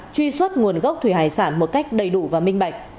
truy xuất nguồn gốc thủy hải sản một cách đầy đủ và minh bạch